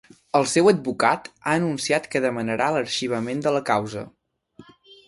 El seu advocat ha anunciat que demanarà l'arxivament de la causa.